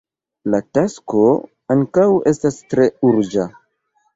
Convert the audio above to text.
La tasko ankaŭ estas tre urĝa.